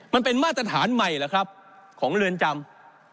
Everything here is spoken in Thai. มันเป็นมาตรฐานใหม่เหรอครับของเรือนจำ